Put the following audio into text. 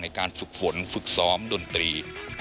ในการฝึกฝนฝึกซ้อมดนตรี